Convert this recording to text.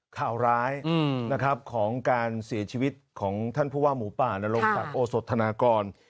ข่าวร้ายนะครับของการเสียชีวิตของท่านผู้ว่าหมูป่านรงศักดิ์โอสธนากร